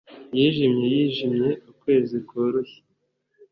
yijimye yijimye ukwezi kworoshye